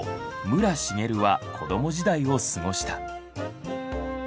武良茂は子供時代を過ごした。